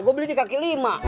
gue beli di kaki lima